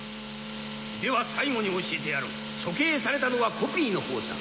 では最後に教えてやろう処刑されたのはコピーのほうさ。